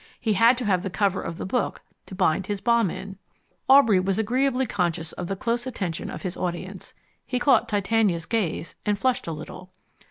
He had to have the cover of the book to bind his bomb in." Aubrey was agreeably conscious of the close attention of his audience. He caught Titania's gaze, and flushed a little.